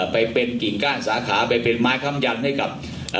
ไปเป็นกิ่งก้านสาขาไปเป็นไม้คำยันให้กับ